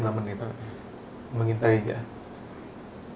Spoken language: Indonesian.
kalau lihat kalau mengintai yang dicari itu yang kondisi motor itu